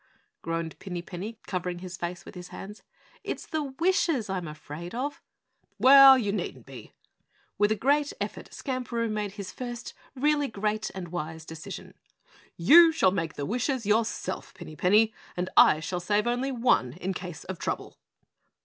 groaned Pinny Penny, covering his face with his hands. "It's the wishes I'm afraid of." "Well, you needn't be!" With a great effort Skamperoo made his first really great and wise decision. "You shall make the wishes yourself, Pinny Penny, and I shall save only one in case of trouble!"